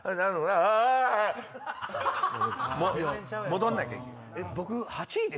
あぁあ戻んなきゃいけない。